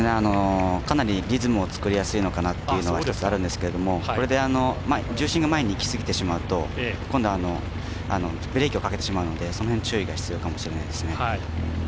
かなりリズムを作りやすいかなというのは１つあるんですけどこれで重心が前にいきすぎてしまうと今度、ブレーキをかけてしまうのでその辺注意が必要かもしれません。